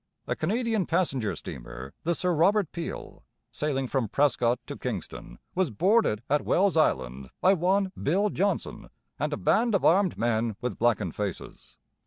A Canadian passenger steamer, the Sir Robert Peel, sailing from Prescott to Kingston, was boarded at Wells Island by one 'Bill' Johnson and a band of armed men with blackened faces.